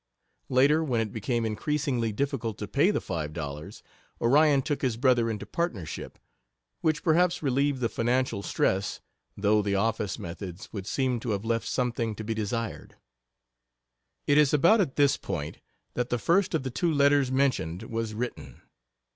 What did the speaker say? Later, when it became increasingly difficult to pay the five dollars, Orion took his brother into partnership, which perhaps relieved the financial stress, though the office methods would seem to have left something to be desired. It is about at this point that the first of the two letters mentioned was written.